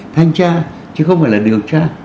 thanh tra chứ không phải là điều tra